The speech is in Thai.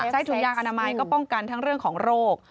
ใช้ถุงยางอนามัยก็ป้องกันทั้งเรื่องของโรค